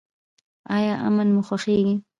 ایا امن مو خوښیږي؟